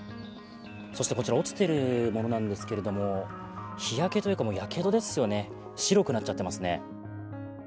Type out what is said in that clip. そしてこちら、落ちているものなんですけれども日焼けというか、もうやけどですよね、白くなっちゃっていますね。